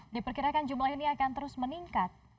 diperkirakan jumlah ini akan terus meningkat